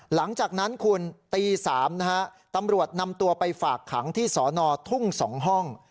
หลังจากนั้นคุณตี๓นะฮะตำรวจนำตัวไปฝากขังที่สอนอทุ่ง๒ห้อง